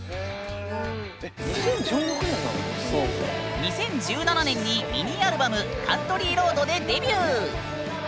２０１７年にミニアルバム「カントリーロード」でデビュー。